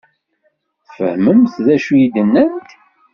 Tfehmemt d acu i d-nnant?